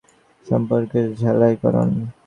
তো এটা এক ধরণের বৈবাহিক সম্পর্কের ঝালাইকরণ।